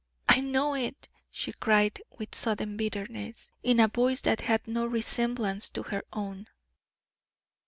"I know it," she cried, with sudden bitterness, in a voice that had no resemblance to her own.